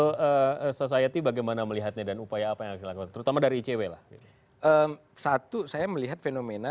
civil society bagaimana melihatnya dan upaya apa yang terutama dari icw satu saya melihat fenomena